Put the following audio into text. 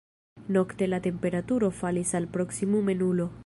Nokte la temperaturo falis al proksimume nulo.